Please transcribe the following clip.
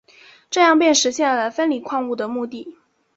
这样便实现了分离矿物的目的。